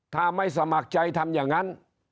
ถ้าไม่สมัครใจทำอย่างนั้น